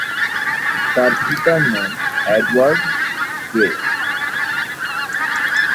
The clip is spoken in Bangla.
তার পিতার নাম এডওয়ার্ড গ্রে।